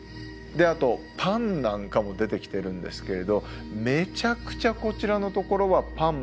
であとパンなんかも出てきてるんですけれどめちゃくちゃこちらのところはパンもカロリーが高いです。